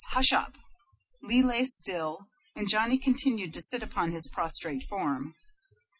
Hush up!" Lee lay still, and Johnny continued to sit upon his prostrate form.